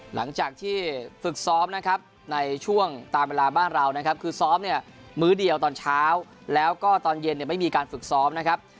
หลังจากที่ฝึกซ้อมนะครับในช่วงตามเวลาบ้านเรานะครับคือซ้อมเนี่ยมื้อเดียวตอนเช้าแล้วก็ตอนเย็นเนี่ยไม่มีการฝึกซ้อมนะครับ